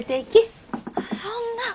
そんな。